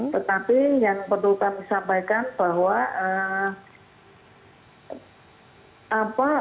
tetapi yang perlu kami sampaikan bahwa